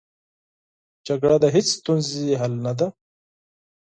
جګړه د هېڅ ستونزې حل نه ده